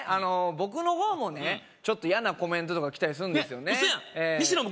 僕の方もねちょっと嫌なコメントとか来たりする嘘やん！？